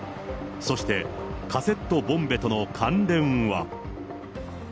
そしてカセットボンベとの関連は。